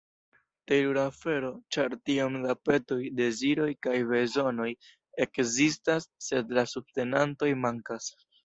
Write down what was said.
Terura afero, ĉar tiom da petoj, deziroj kaj bezonoj ekzistas, sed la subtenantoj mankas.